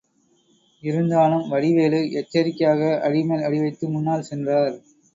இருந்தாலும் வடிவேலு, எச்சரிக்கையாக அடிமேல் அடிவைத்து முன்னால் சென்றார்.